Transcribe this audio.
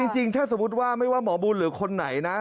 จริงถ้าสมมุติว่าไม่ว่าหมอบุญหรือคนไหนนะ